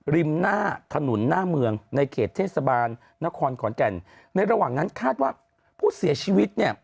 ริมหน้าถนนหน้าเมืองในเขตเทศบาลนครขอนแก่นในระหว่างนั้นคาดว่าผู้เสียชีวิตเนี่ย